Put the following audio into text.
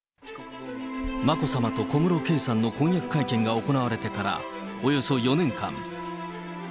眞子さまと小室圭さんの婚約会見が行われてからおよそ４年間。